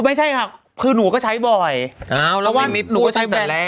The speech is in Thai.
ไม่ใช่ค่ะคือหนูก็ใช้บ่อยเพราะว่าเราได้ยังไม่พูดจากตอนแรก